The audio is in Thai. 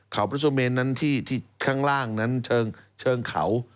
เขาพระสุเมนนั้นที่ข้างล่างนั้นเชิงเขา